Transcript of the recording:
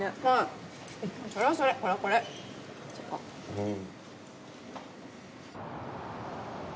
うん。